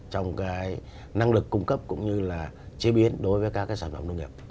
trong cái năng lực cung cấp cũng như là chế biến đối với các cái sản phẩm nông nghiệp